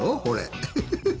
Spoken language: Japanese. これ。